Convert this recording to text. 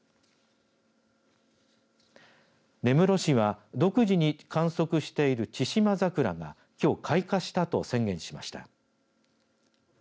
根室市は独自に観測しているチシマザクラがきょう開花したと宣言しました。